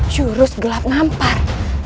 juru segelap nampar